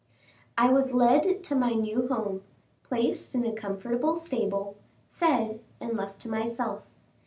I was led to my new home, placed in a comfortable stable, fed, and left to myself.